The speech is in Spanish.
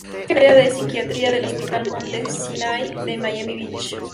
Fue jefe del área de psiquiatría del Hospital Monte Sinai de Miami Beach.